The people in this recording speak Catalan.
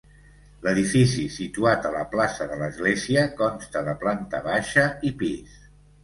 L'edifici, situat a la plaça de l'Església, consta de planta baixa i pis.